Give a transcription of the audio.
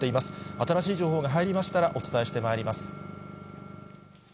新しい情報が入りましたらお伝えしてまいります。